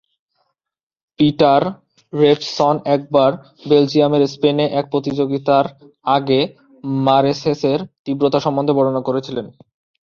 Peter Revson একবার বেলজিয়ামের স্পেনে এক প্রতিযোগিতার আগে মারেসেসের তীব্রতা সম্বন্ধে বর্ণনা করেছিলেন।